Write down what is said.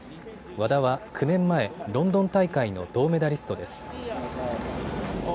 和田は９年前、ロンドン大会の銅メダリストです。